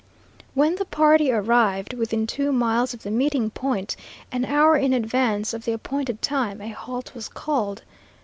When the party arrived within two miles of the meeting point, an hour in advance of the appointed time, a halt was called.